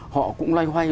họ cũng loay hoang